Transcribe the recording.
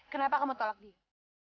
kenapa kamu tolak dia